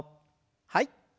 はい。